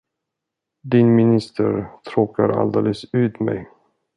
Din minister tråkar alldeles ut mig!